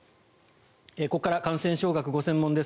ここから感染症学がご専門です